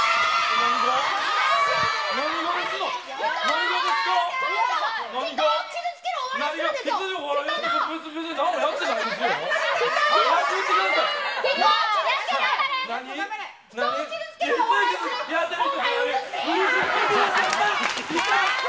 何がですか？